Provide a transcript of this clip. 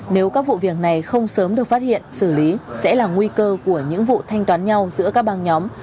nếu các vụ việc này không sớm được phát hiện xử lý sẽ là nguy cơ của những vụ thanh toán nhau giữa các băng nhóm